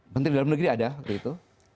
menteri dalam negeri ada waktu itu